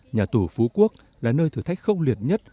nhà tù phú quốc là nơi thử thách khốc liệt nhất